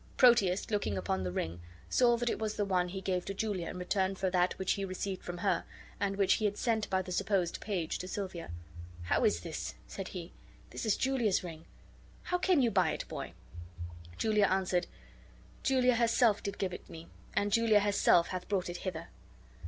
Proteus, looking upon the ring, saw that it was the one he gave to Julia in return for that which he received from her and which he had sent by the supposed page to Silvia. "How is this?" said he. "This is Julia's ring. How came you by it, boy?" Julia answered, "Julia herself did give it me, and Julia herself hath brought it hither."